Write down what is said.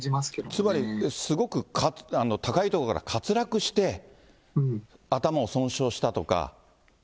つまりすごく高い所から滑落して、頭を損傷したとか。